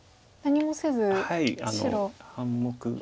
何もせず白。